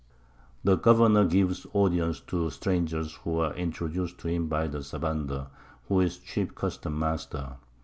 The Governour gives Audience to Strangers who are introduc'd to him by the Sabandar, who is chief Custom master.